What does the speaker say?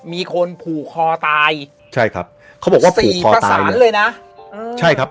มีคนผูกคอตายใช่ครับเขาบอกว่าสี่ประสานเลยนะเออใช่ครับ